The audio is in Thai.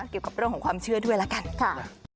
กินกับเรื่องของความเชื่อด้วยละกันค่ะค่ะใช่